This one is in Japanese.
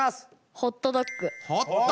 ホットドッグ！